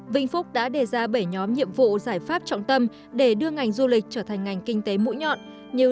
vĩnh phúc đã đề ra bảy nhóm nhiệm vụ giải pháp trọng tâm để đưa ngành du lịch trở thành ngành kinh tế mũi nhọn như